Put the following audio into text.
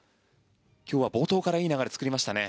今日は冒頭からいい流れを作りましたね。